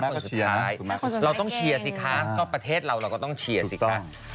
คนสุดท้ายเราต้องเชียร์สิคะก็ประเทศเราเราก็ต้องเชียร์สิคะ